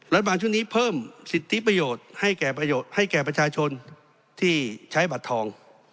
มาชุดนี้เพิ่มสิทธิประโยชน์ให้แก่ให้แก่ประชาชนที่ใช้บัตรทอง